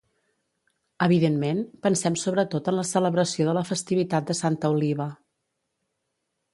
Evidentment, pensem sobretot en la celebració de la festivitat de Santa Oliva.